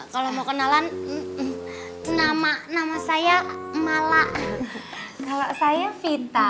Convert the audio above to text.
kalau mau kenalan nama nama saya mala kalau saya vita